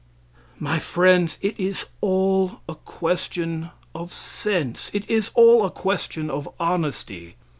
My friends, it is all a question of sense; it is all a question of honesty.